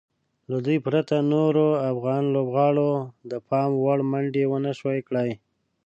له دوی پرته نورو افغان لوبغاړو د پام وړ منډې ونشوای کړای.